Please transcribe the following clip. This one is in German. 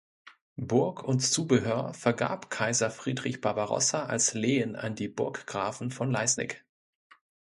Burg und Zubehör vergab Kaiser Friedrich Barbarossa als Lehen an die Burggrafen von Leisnig.